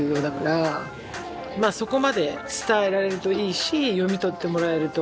まあそこまで伝えられるといいし読み取ってもらえると。